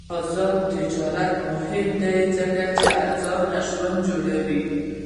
آزاد تجارت مهم دی ځکه چې ارزان ژوند جوړوي.